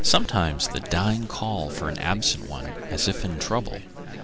Sometimes the dying call for an absent one, as if in trouble.